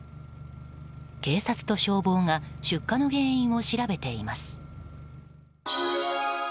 警察と消防が出火の原因を調べています。